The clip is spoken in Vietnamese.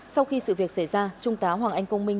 sau khi sự việc xảy ra trung tá hoàng anh công minh